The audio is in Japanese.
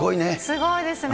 すごいですね。